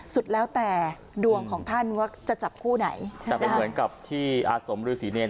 สุดแล้วแต่ดวงของท่านว่าจะจับคู่ไหนใช่แต่เป็นเหมือนกับที่อาสมฤษีเนร